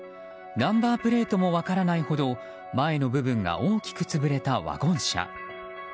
ナンバープレートも分からないほど前の部分が大きく潰れたワゴン車。